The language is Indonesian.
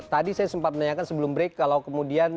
tadi saya sempat menanyakan sebelum break kalau kemudian